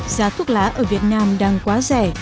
giá thuốc lá ở việt nam đang quá rẻ